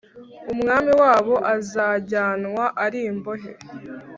Umwami wabo azajyanwa ari imbohe